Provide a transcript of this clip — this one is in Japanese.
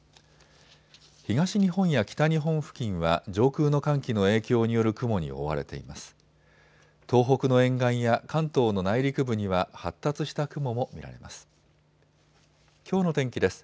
東日本や北日本付近は上空の寒気の影響による雲に覆われています。